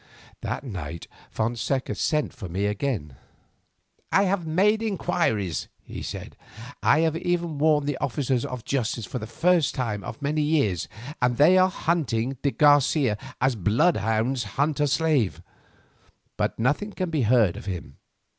That night Fonseca sent for me again. "I have made inquiries," he said. "I have even warned the officers of justice for the first time for many years, and they are hunting de Garcia as bloodhounds hunt a slave. But nothing can be heard of him.